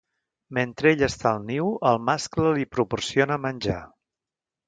Mentre ella està al niu, el mascle li proporciona menjar.